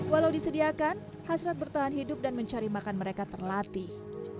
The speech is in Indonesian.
walau disediakan hasrat bertahan hidup dan mencari makan mereka terlatih